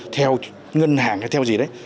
theo ngân hàng hay theo gì đấy